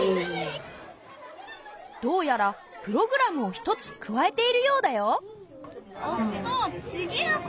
どうやらプログラムを１つ加えているようだよ。